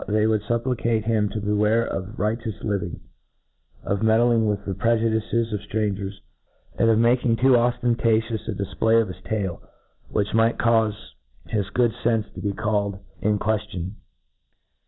they would fupplicate him to beware of riotous living, of meddling with the prejudices of ftrangets, and of making too oftentatious a difplay of his tail,\vhich might caufe his goodfenfe to ho called 9f P R fe F A C E. called in qucftion.